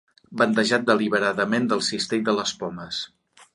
Bandejat deliberadament del cistell de les pomes.